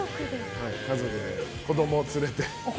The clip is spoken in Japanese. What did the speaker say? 家族で、子供を連れて。